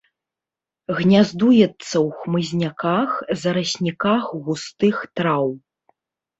Гняздуецца ў хмызняках, зарасніках густых траў.